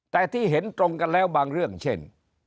แต่ที่เห็นตรงกันแล้วบางเรื่องเช่น